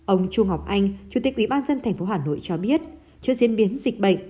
ông chu ngọc anh chủ tịch ubnd tp hà nội cho biết trước diễn biến dịch bệnh